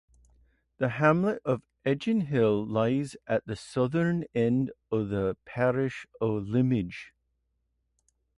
The hamlet of Etchinghill lies at the southern end of the Parish of Lyminge.